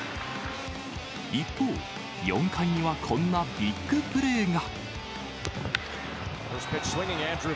一方、４回にはこんなビッグプレーが。